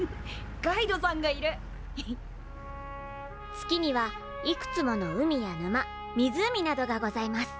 月にはいくつもの海やぬま湖などがございます。